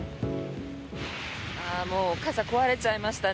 もう傘が壊れちゃいましたね